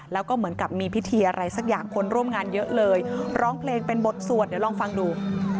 แล้วก็เหมือนกับมีพิธีอะไรสักอย่างคนร่วมงานเยอะเลยร้องเพลงเป็นบทสวดเดี๋ยวลองฟังดู